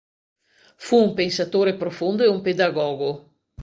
Fu un pensatore profondo e un pedagogo.